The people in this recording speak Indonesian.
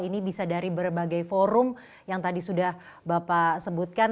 ini bisa dari berbagai forum yang tadi sudah bapak sebutkan